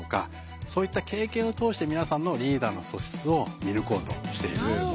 そういった経験を通して皆さんのリーダーの素質を見抜こうとしているものになります。